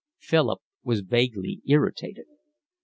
Philip was vaguely irritated.